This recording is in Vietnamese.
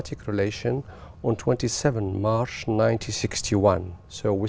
vì vậy về liên hệ kinh tế